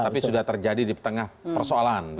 tapi sudah terjadi di tengah persoalan